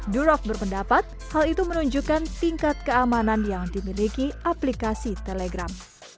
durov berpendapat hal itu menunjukkan tingkat keamanan yang dimiliki aplikasi telegram